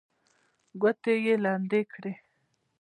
ګوتې یې لمدې کړې.